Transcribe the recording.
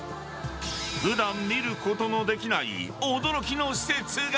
普段見ることのできない驚きの施設が。